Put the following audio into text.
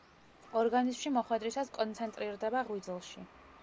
ორგანიზმში მოხვედრისას კონცენტრირდება ღვიძლში.